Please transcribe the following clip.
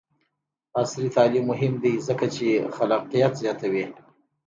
عصري تعلیم مهم دی ځکه چې خلاقیت زیاتوي.